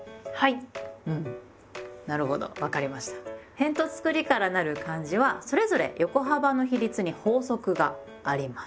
へんとつくりからなる漢字はそれぞれ横幅の比率に法則があります。